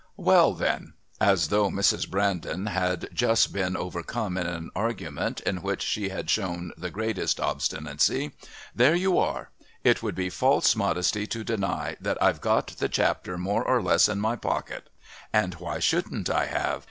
"Well, then " (As though Mrs. Brandon had just been overcome in an argument in which she'd shown the greatest obstinacy.) "There you are. It would be false modesty to deny that I've got the Chapter more or less in my pocket And why shouldn't I have?